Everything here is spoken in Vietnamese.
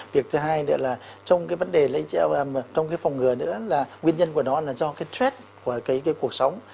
việc thứ hai nữa là trong cái vấn đề lây chéo trong cái phòng ngừa nữa là nguyên nhân của nó là do cái stress của cái cuộc sống